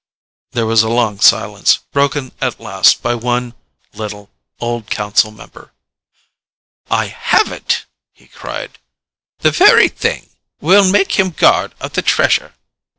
There was a long silence, broken at last by one little, old council member. "I have it," he cried. "The very thing. We'll make him guard of the Treasure."